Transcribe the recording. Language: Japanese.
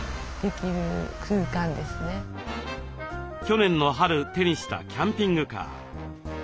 去年の春手にしたキャンピングカー。